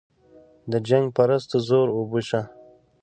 د جنګ پرستو زور اوبه شه.